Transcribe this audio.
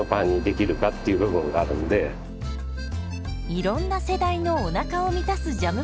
いろんな世代のおなかを満たすジャムパン。